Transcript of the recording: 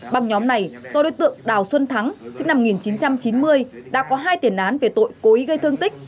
băng nhóm này do đối tượng đào xuân thắng sinh năm một nghìn chín trăm chín mươi đã có hai tiền án về tội cố ý gây thương tích